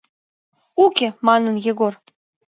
— Уке! — манын Егор.